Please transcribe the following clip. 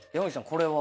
これは？